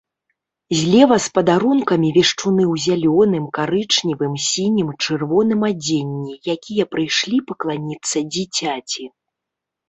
Злева з падарункамі вешчуны ў зялёным, карычневым, сінім, чырвоным адзенні, якія прыйшлі пакланіцца дзіцяці.